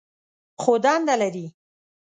خو دنده لري.